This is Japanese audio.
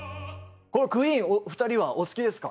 クイーンお二人はお好きですか？